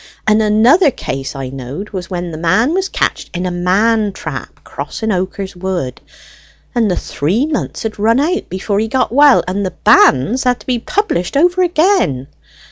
And another case I knowed was when the man was catched in a man trap crossing Oaker's Wood, and the three months had run out before he got well, and the banns had to be published over again."